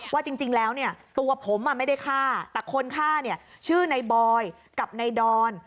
ว่าจริงแล้วเนี่ยตัวผมไม่ได้ฆ่าแต่คนฆ่าเนี่ยชื่อในบอยกับในดอน